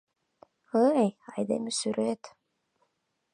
Ый, айдеме сӱрет!